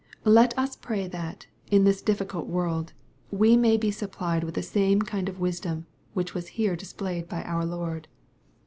Let us pray that, in this difficult world, we may be supplied with the same kind of wisdom which was here displayed by our Lord.